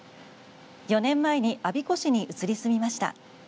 ４年前に我孫子市に移り住みました。